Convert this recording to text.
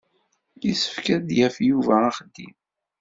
Yessefk ad d-yaf Yuba axeddim.